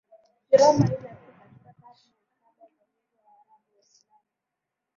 Kiroma ila tu katika karne ya saba uvamizi wa Waarabu Waislamu